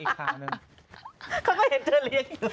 เขาก็เห็นเธอเลี้ยงอยู่